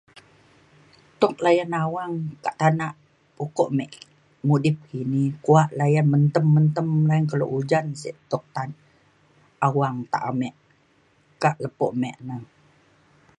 tuk layan awang ka tanak ukok me mudip kini kuak layan mentem mentem ngan kelo ujan sik tuk ta- awang ta ame ka lepo me na